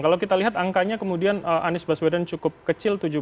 kalau kita lihat angkanya kemudian anies baswedan cukup kecil